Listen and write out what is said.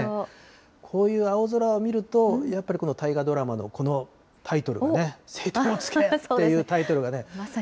こういう青空を見ると、やっぱりこの大河ドラマの、このタイトルがね、青天を衝けっていうタイトルがね。